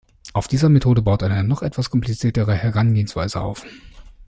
Auf dieser Methode baut eine noch etwas kompliziertere Herangehensweise auf.